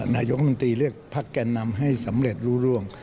นายกรรมตรีเลือกพักแก่นำให้สำเร็จรู้ร่วง